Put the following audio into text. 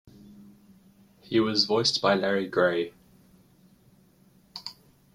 He was voiced by Larry Grey.